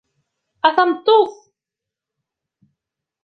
A tameṭṭut!